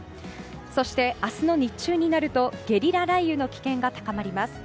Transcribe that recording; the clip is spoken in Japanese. そして、明日の日中になるとゲリラ雷雨の危険が高まります。